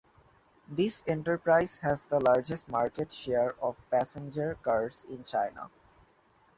This enterprise has the largest market share of passenger cars in China.